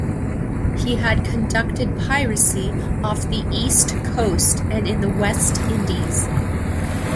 He had conducted piracy off the East Coast and in the West Indies.